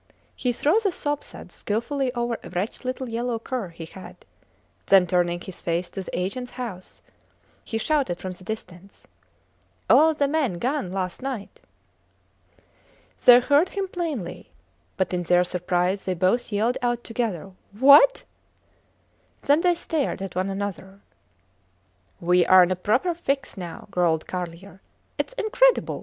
He threw the soapsuds skilfully over a wretched little yellow cur he had, then turning his face to the agents house, he shouted from the distance, All the men gone last night! They heard him plainly, but in their surprise they both yelled out together: What! Then they stared at one another. We are in a proper fix now, growled Carlier. Its incredible!